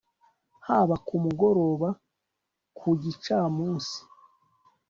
haba ku mugoroba ku gicamunsi